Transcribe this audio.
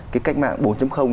cái khách mạng bốn